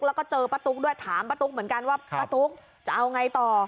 แล้วก็เจอป้าตุ๊กด้วยถามป้าตุ๊กเหมือนกันว่าป้าตุ๊กจะเอาไงต่อ